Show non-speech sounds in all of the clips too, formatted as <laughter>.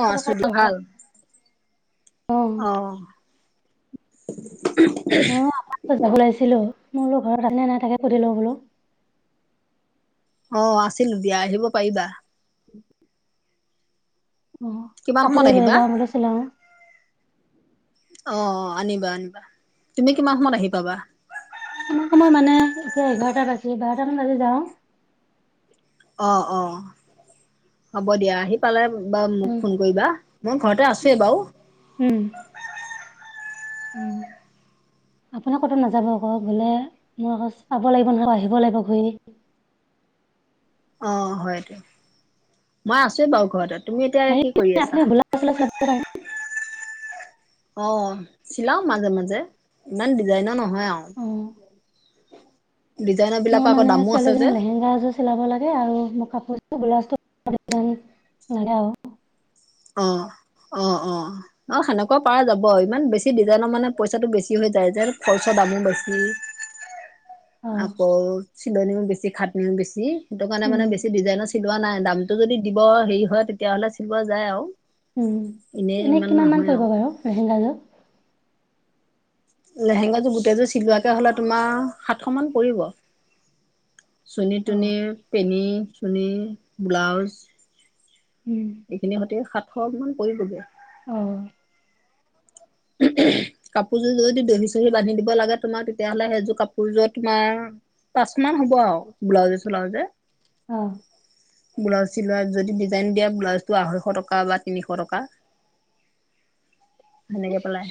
অ' খবৰ আছোঁ খাতি দিয়ক ভাল। অ'। <inaudible> খেল চাব আহিছিলোঁ, মই বুলো ঘৰত থাকে নে নাই তাকে সুধি লওঁ বুলো। অ' আছিলোঁ দিয়া, আহিব পাৰিবা। <inaudible> অ' কিমান সময়ত কাপোৰ লৈ আহিবা যাওঁ, এনেকে চিলাও অ' আনিবা আনিবা। তুমি কিমান সময়ত আহি পাবা? কিমান সময় মানে এতিয়া এঘাৰটা বাজে, বাৰটা মান বাজাত যাওঁ। অ', অ', হ'ব দিয়া, আহি পালে বা মোক ফোন কৰিবা, মই ঘৰতে আছোৱে বাৰু। উম। উম! আপুনি ক'তো নাযাব আকৌ গলে মই আকৌ চাব লাগিব নহয় আহিব লাগিব ঘূৰি। অ হয়টো, মই আছো বাৰু ঘৰতে, তুমি এতিয়া কি কৰি হেৰি আছা? <inaudible> অ চিলাও মাজে মাজে ইমান ডিজাইনৰ নহয় অ আৰু। ডিজাইনৰ বিলাকৰ মই আকৌ মানে দামো আছে যে ছোৱালীজনী লেহেংগা এজোৰ চিলাব লাগে আৰু মোৰ কাপোৰ ব্লাউজটো দিজাইন লাগে আৰু। অ অ অ অ সেনেকুৱা পাৰ যাব ইমান বেছি বেছি ডিজাইনৰ মানে পইচাটো বেছি হৈ যায় যে খৰচা দামো বেছি। অ আকৌ চিলনিও বেছি খাটনিও বেছি, সেইটো কাৰণে উম মানে বেছি ডিজাইনৰ চিলোৱা নাই দামটো যদি দিব হেৰি হয় তেতিয়া হ'লে চিলোৱা যায় আৰু। উম, এনেই ইমান কিমান মান নহয় পৰিব আৰু বাৰু লেহেংগাযোৰ? লেহেংগাযোৰ গোটেইযোৰ চিলোৱাকে হলে তোমাৰ সাতশ মান পৰিব। চুনী- অ টোনী, পেনি, চুনি ব্লাউজ। উম এইখিনি সতে সাতশ মান পৰিবগে। অ কাপোৰযোৰোৰ যদি দহি চহি বান্ধি দিব লাগে তোমাৰ তেতিয়া হ'লে সেইযোৰ কাপোৰযোৰ তোমাৰ পাঁচ মান হ'ব আৰু ব্লাউজে চালাউজে। অ ব্লাউজ চিলোৱা যদি ডিজাইন দিয়া ব্লাউজটো আঢ়ৈশ টকা বা তিনিশ টকা। সেনেকে পেলাই।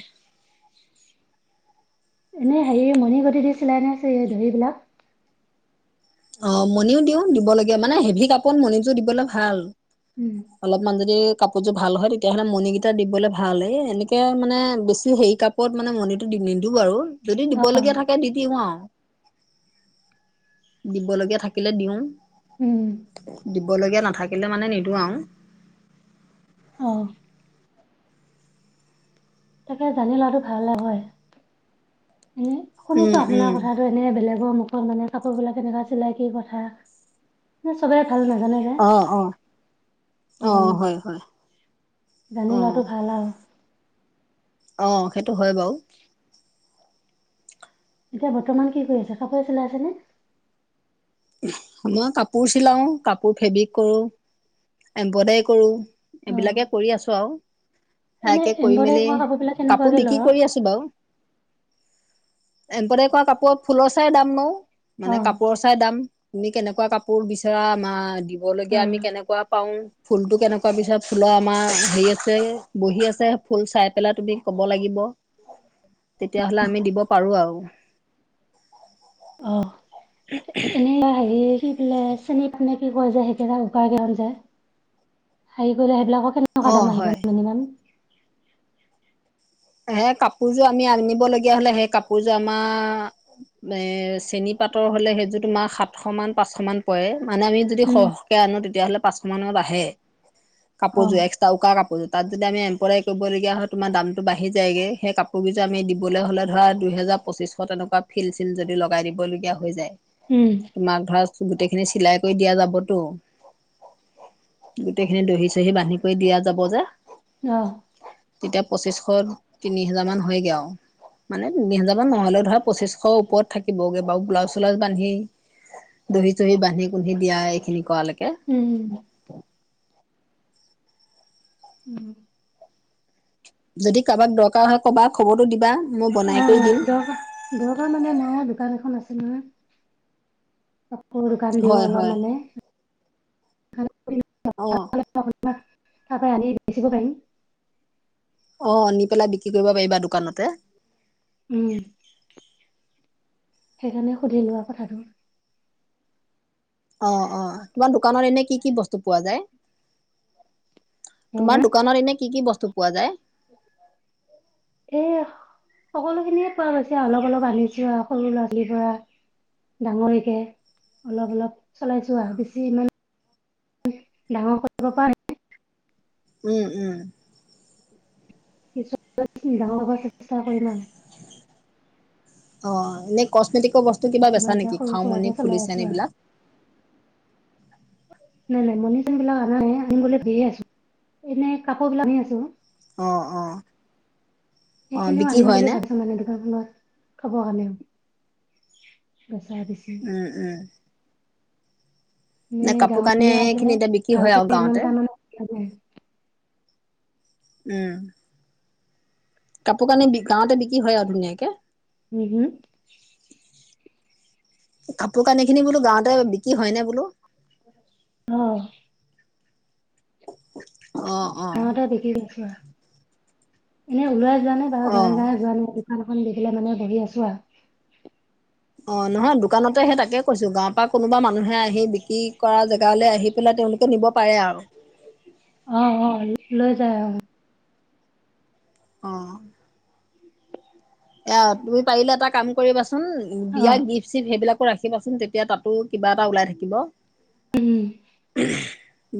এনেই হেৰি মণিগুটি দি চিলাই নে দহি বিলাক। অ মণিও দিওঁ, দিবলগীয়া মানে হেভি কাপত মণিযোৰ দিবলে ভাল। উম অলপমান যদি কাপোৰযোৰ ভাল হয় তেতিয়াহ'লে মণিকেইটা দিবলে ভাল, এই এনেকে মানে বেছি হেৰি কাপ ৰত মানে মণিটো দি নিদি বাৰু, যদি অ দিবলগীয়া থাকে দি দিওঁ আৰু। দিবলগীয়া থাকিলে দিওঁ, উম দিবলগীয়া নাথাকিলে মানে নিদওঁ আৰু। অ। তাকে, জানি লোৱাটো ভাল আৰু হয়। এ, উম শুনিছো উম আপোনাৰ কথাটো। মানে বেলেগৰ মুখত মানে কাপোৰ বিলাক কেনেকা চিলাই কি কথা, চবে ভাল নাজানে অ অ অ সেইকাৰণে হয় হয় অ। জানি লোৱাটো ভাল আৰু। অ, সেইটো হয় বাৰু। এতিয়া বৰ্তমান কি কৰি আছে, কাপোৰে চিলাই আছে নে? মই কাপোৰ চিলাও, কাপোৰ ফেব্ৰিক কৰোঁ। এমব্ৰইডাৰী কৰোঁ, অ এইবিলাকে কৰি আছো আৰু। এনে সেয়াকে কৰি এম্ব্ৰইডাৰী মেলি, কৰা কাপোৰবিলাক কেনেকুৱাকে কাপোৰ লয় বিক্ৰী কৰি আছো বাৰু। এম্ব্ৰইডাৰী কৰা কাপোৰৰ ফুলৰ চাই দাম নো, অ মানে কাপোৰৰ চাই দাম। তুমি কেনেকুৱা কাপোৰ বিচাৰা, মা দিবলগীয়া আমি কে অ কেনেকুৱা পাওঁ, ফুলতটো কেনেকুৱা বিচাৰা ফুলৰ আমাৰ হেৰি আছে, বহি আছে। ফুল চাই পেলাই তুমি কব লাগিব, তেতিয়া হ'লে আমি দিব পাৰোঁ আৰু। অ, এনেকুৱা হেৰি পি দিলে চেনি পানী কি কয় যায়, সেই কেইদাল উকা কে হৈ যায়, হেৰি কৰিলে সেইবিলাকক <unintelligible> কা অঁ দাম আহিব হয় মিনিমাম,। সেই কাপোৰযোৰ আমি আনিব লগীয়া হলে সেই কাপোৰযোৰ আমাৰ এ, চেনী পাতৰ হ'লে সেইটো তোমাৰ সাতশ মান পাঁচশ মান পৰে, মানে আমি যদি উম সহকে আনো তেতিয়াহ'লে পাঁচশ মানত আহে, কাপোৰযোৰ অ', এক্সট্ৰা উকা কাপোৰযোৰ। তাত যদি আমি এম্প্ৰলাৰ কৰিবলগীয়া হয় তোমাৰ দামটো বাঢ়ি যায়গৈ, সেই কাপোৰকেইযোৰ আমি দিবলৈ হ'লে ধৰা দুহেজাৰ পঁচিশ তেনেকুৱা ফিল চিল যদি লগাই দিব লগগীয়া হৈ যায়, উম, তোমাক ধৰা গোটেই খিনি চিলাই কৰি দিয়া যাবতো, গোটেই খিনি দহি-চহি বান্ধি দিয়া যাব যে, অ', তেতিয়া পঁচিশ, তিনি হাজাৰ মান হৈ গে আও। মানে তিনি হাজাৰ মান নহ'লেও ধৰা পঁচিশৰ ওপৰত থাকিবগে বাৰু ব্লাউজ- চাউজ বান্ধি। দহি-চহি বান্ধি কুধি দিয়া এইখিনি কৰালৈকে। উমঁ। উম'। যদি কাৰোবাক দৰকাৰ হয় কবা খবৰটো দিবা মই বনাই কৰি অ', দিম। দৰকাৰ দৰকাৰ মানে মই দোকান এখন আছে নহয়। সৰু দোকান দিওঁ হয় অলপ হয় মানে। অঁহ। তাপা আনি বেচিব পাৰিম। অ', আনি পেলাই বিক্ৰী কৰিব পাৰিবা দোক উম'। সেইকাৰণে সুধি লোৱা কথাটো। অ', - অ', তোমাৰ দোকানত এনে কি কি বস্তু পোৱা যায়? এ, তোমাৰ দোকানত এনে কি কি বস্তু পোৱা যায়? এয়া, সকলোখিনিয়ে পোৱা গৈছে অলপ-অলপ আনিছো আৰু সৰু ল'ৰা- ছোৱালী পৰা। ডাঙৰ লকে, অলপ-অলপ চলাইছো আৰু বেছি ইমানে, ডাঙৰ কৰিব পৰা নাই। উম-উম। নিজৰ ওপৰত ডাঙৰ হবা চেষ্টা কৰিম আৰু। অ', এনে কচমেটিকৰ বস্তু কিবা বৰ্তমান বেচা এতিয়া নেকি সৰু খাৰু সুৰাকে মনি চলাই ফুলি আছোঁ চেন আৰু। এইবিলাক? <inaudible> নাই নাই মনি-চনি বিলাক আনা নাই আনিম বুলি ভাবি আছো, এনে কাপোৰ বিলাক আনি আছো। অ', - অ',। অ সেইখিনিও বিক্ৰী আনিম হয় বুলি নে ভাবি ছো মানে দোকানখনত, থব কাৰণে, বেচা বেছি উম-উম। আমি কাপোৰ কানি গাঁৱলীয়া এইখিনি যে, এতিয়া বিক্ৰী হয় ভালকে আৰু গাঁৱতে ইমানটা মানত লগে। উমঁ। কাপোৰ কানি বি গাঁৱতে বিক্ৰী হয় আৰু ধুনীয়াকে? উম হুম! কাপোৰ কানি খিনি বোলো গাঁওতে বিক্ৰী হয়নে বোলোঁ? অ'। অ গাঁৱতে অ বিকি গাইছো আৰু, এনেই ওলাই যোৱা নে বাৰু গাঁৱে অ গাঁৱে যোৱা নাই। দোকান এখন দি পেলাই মানে বহি আছো আৰু। অ', নহয় দোকানতে সেই তাকে কৈছোঁ, গাঁৱৰ পৰা কোনোবা মানুহে আহি বিক্ৰী কৰা জেগালৈ আহি পেলাই তেওঁলোকে নিব পাৰে আৰু। অ', - অ', লৈ যায়, অ',। অ'। এয়া তুমি পাৰিলে এটা কাম কৰিবাচোন, অ বিয়া গিফ্ট চিফ্ট সেইবিলাকো ৰাখিবাচোন, তেতিয়া তাতো কিবা এটা ওলাই থাকিব। উম।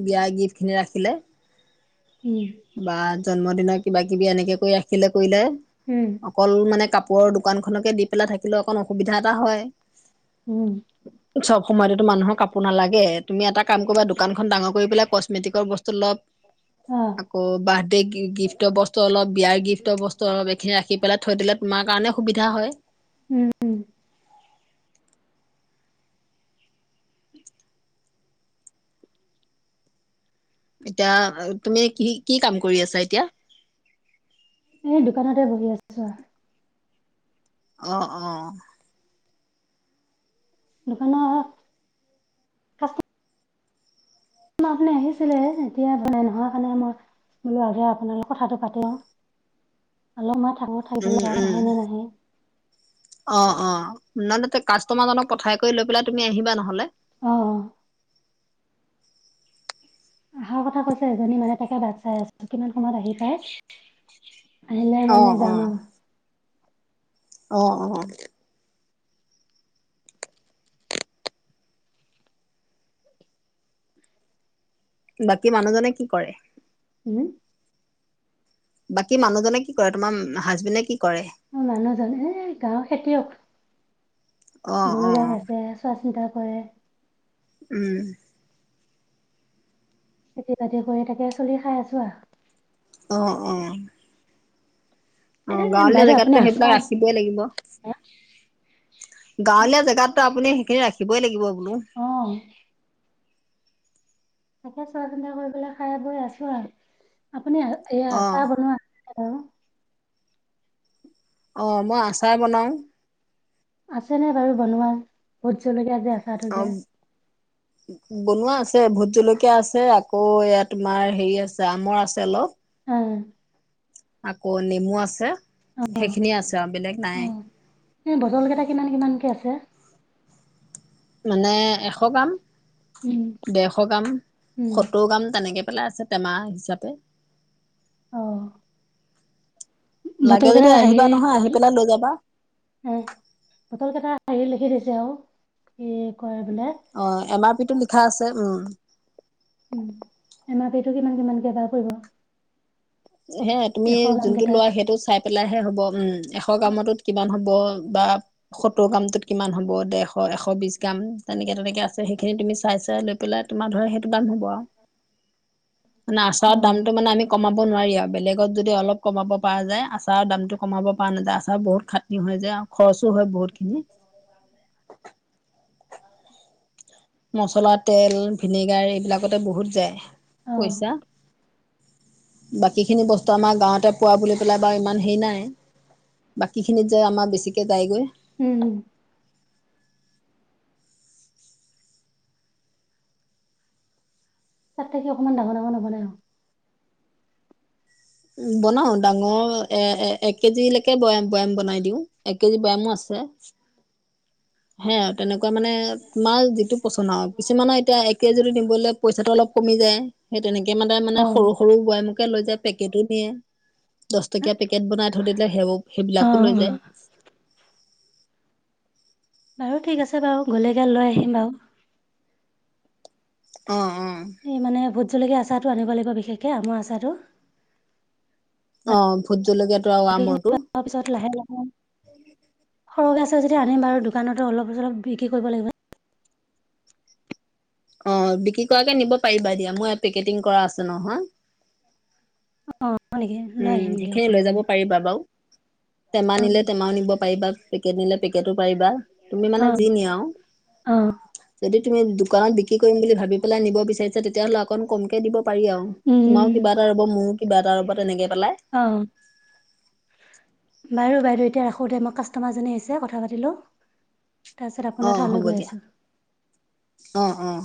বিয়া গিফ্টখিনি ৰাখিলে উম। বা জন্মদিনৰ কিবা কিবি এনেকে কৰি ৰাখিলে কৰিলে উম। অকল মানে কাপোৰৰ দোকানখনকে দি পেলাই থাকিলে অকণ অসুবিধা এটা হয়। উম। চব সময়তেতো মানুহৰ কাপোৰ নালাগে, তুমি এটা কাম কৰিবা দোকানখন ডাঙৰ কৰি পেলাই কচমেটিকৰ বস্তু অলপ অ'। আকৌ বাৰ্থডে গিফ্টৰ বস্তু অলপ, বিয়াৰ গিফ্টৰ বস্তু অলপ, এই খিনি ৰাখি পেলাই থৈ দিলে তোমাৰ কাৰণে সুবিধা হয়। উম, উম। এতিয়া তুমি কি কি কাম কৰি আছা এতিয়া? এই দোকানতে বহি আছো আৰু। অ', অ'। দোকানত ন আপুনি আহিছিলে এতিয়া বনাই নোহোৱা কাৰণে আমাৰ বোলো আগে আপোনাৰ লগথ কথাটো পাতি লওঁ, হ'লেও মই থাকো। খাই উম পেলাই আৰু উম আহে নে নাহে? অ', অ' নহ'লে কাষ্টমাৰজনক পঠাই কৰি লৈ পেলাই তুমি আহিবা নহ'লে? অঁ, অঁ। আহাৰ কথা কৈছে এজনী মানে, তাকে বাট চাই আছো কিমান সময়ত আহি পাই। আহিলে অ মানে অ যাম আৰু। অ', অ',। বাকী মানুহজনে কি কৰে? হুম? বাকী মানুহজনে কি কৰে তোমাৰ হাজবেণ্ডে কি কৰে? মোৰ মানুহজন এ গাঁওৰ খেতিয়ক, অ গৰু অ গাই আছে চোৱা চিতা কৰে। উম। খেতি বাতি কৰি তাকে চলি খাই আছোঁ আৰু। অ', অ'। অ', এ গাঁৱলীয়া বাইদেউ আপুনি জেগাতটো আছা সেইবিলাক ৰাখিবই লাগিব। গাঁৱলীয়া জেগাততো আপুনি সেইখিনি ৰাখিবই লাগিব বোলো। অঁ। তাকে চোৱা চিন্তা কৰি পেলাই খাই বৈ আছোঁ আৰু। আপুনি এয়া অ আচাৰ বনোৱা আৰু অঁ, মই আচাৰ বনাওঁ। আছে নে বাৰু বনোৱা? ভোট জলকীয়া যে আচাৰটো <unintelligible> যে বনোৱা আছে। ভোট জলকীয়া আছে, আকৌ এইয়া তোমাৰ হেৰি আছে আমৰ আছে অলপ। অ'। আকৌ নেমু আছে, সেইখিনিয়ে আছে আৰু বেলেগ নাই। উম এই বটলকেইটা কিমান কিমানকে আছে? মানে এশ গ্ৰাম, উম ডেৰশ গ্ৰাম, উম সত্তৰ গ্ৰাম তেনেকে। সেইফালে আছে টেমা হিচাপে। উম! লাগে যদি কেইটাৰ আহিবা নহয় আহি পেলাই লৈ যাবা। উম! বটলকেইটা হেৰি লিখি দিছে আৰু কি কয় বোলে। অঁ! এমআৰপিটো লিখা আছে উম। উম! এমআৰপিটো কিমান কিমানকে বাৰ পৰিব? সেয়াই, তুমি এশ গ্ৰাম যোনটো কেইটাত লোৱা সেইটো চাই পেলাইহে হ'ব। উম! এশ গ্ৰামতোত কিমান হ'ব বা সত্তৰ গ্ৰামটোত কিমান হ'ব, ডেৰশ এশ, বিশ গ্ৰাম তেনেকে-তেনেকে আছে। সেইখিনি তুমি চাই-চাই লৈ পেলাই তোমাৰ ধৰা সেইটো দাম হ'ব আৰু। মানে অ আচাৰত দামটো মানে আমি কমা নোৱাৰি আৰু বেলেগত যদি অলপ কমাব পৰা যায়, আচাৰৰ দামটো কমাব পৰা নাযায়। আচাৰ বহুত খাট নি হৈ যায় আৰু খৰচো হয় বহুতখিনি। <inaudible> মচলা, তেল, ভিনেগাৰ এইবিলাকতে বহুত যায় অ পইচা। বাকীখিনি বস্তু আমাৰ গাঁৱতে পোৱা বুলি পেলাই বাৰু ইমান হেৰি নাই। বাকীখিনিত যে আমাৰ বেছিকে যায় গৈ। উম! তাত থাকি অকমান ডাঙৰ-ডাঙৰ নবনাই আৰু। উম! বনাওঁ ডাঙৰ এ-এ এক এক কেজিলৈকে বৈয়াম-বৈয়াম বনাই দিওঁ। এক কেজি বৈয়ামো আছে। সেই আৰু তেনেকুৱা মানে তোমাৰ যিটো পচন আৰু। কিছুমানৰ এতিয়া এক কেজিটো নিবলৈ পইচাটো অলপ কমি যায়। সেই তেনেকে অ মানে-মানে সৰু-সৰু বৈয়ামকে লৈ যায়। পেকেটো নিয়ে। দহ টকীয়া পেকেট বনাই থৈ দিলে হে অ অ সেইবিলাকো লৈ যায়। বাৰু ঠিক আছে বাৰু গ'লে গে লৈ আহিম বাৰু। অঁ-অঁ! এই মানে ভোট জলকীয়া আচাৰটো আনিব লাগিব বিশেষকৈ আমৰ আচাৰটো। অঁ! ভোট জলকীয়াটো আৰু আমৰটো। তাৰপিছত লাহে-লাহে সৰহকৈ আছে যদি আনিম বাৰু দোকানতো অলপ-চলপ বিক্ৰী কৰিব লাগিব। অঁ! বিক্ৰী কৰাকে নিব পাৰিবা দিয়া। মোৰ এয়া পেকেটিং কৰা আছে নহয়। অঁ! হয় নেকি? লৈ উম! আহিম দিয়ক সেইখিনি লৈ যাব নহ'লে পাৰিবা বাৰু। টেমা অ নিলে টেমাও নিব পাৰিবা, পেকেট নিলে পেকেটো পাৰিবা, তুমি মানে যি নিয়া আৰু। অঁ! যদি তুমি দোকানত বিক্ৰী কৰিম বুলি ভাবি পেলাই নিব বিচাৰিছা, তেতিয়াহ'লে অকন কমকে দিব পাৰি আৰু। তোমাৰো কিবা উম এটা ৰ'ব, মোৰো কিবা এটা ৰ'ব। <unintelligible> পেলাই। অঁ। বাৰু বাইদেউ, এতিয়া ৰাখোঁ দেই। মোৰ কাষ্টমাৰ এজনী আহিছে কথা পাতি লওঁ। তাৰপিছত আপোনাৰ অঁ! ঠাইলৈ হ'ব গৈ দিয়া। আছোঁ অঁ-অঁ!